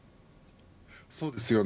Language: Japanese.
そうですよね。